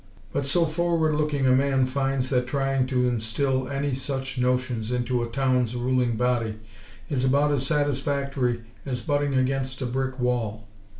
But so forward looking a man finds that trying to instill any such notions into a town's ruling body is about as satisfactory as butting against a brick wall.